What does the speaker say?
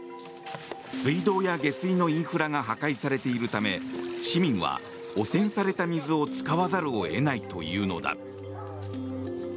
水道や下水のインフラが破壊されているため市民は汚染された水を使わざるを得ないというのだ。